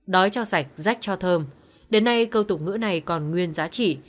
đói cho sạch rách cho thơm đến nay câu tục ngữ này còn nguyên giá trị